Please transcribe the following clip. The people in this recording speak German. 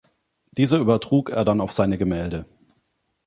Diese übertrug er dann auf seine Gemälde.